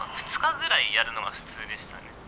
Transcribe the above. ２日ぐらいやるのは普通でしたね。